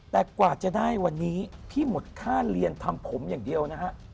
แต่กว่าจะได้วันนี้พี่หมดค่าเรียนทำผมอย่างเดียวนะฮะ